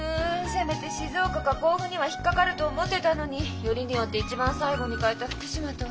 せめて静岡か甲府には引っ掛かると思ってたのによりによって一番最後に書いた福島とは。